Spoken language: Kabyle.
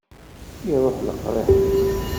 Iruḥ leqriḥ-nni.